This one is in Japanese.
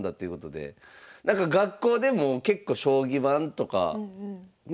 学校でも結構将棋盤とかね？